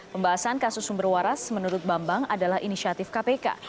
pembahasan kasus sumber waras menurut bambang adalah inisiatif kpk